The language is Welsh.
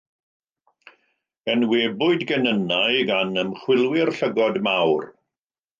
Enwebwyd genynnau gan ymchwilwyr llygod mawr.